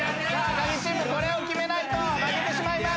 カギチームこれを決めないと負けてしまいます。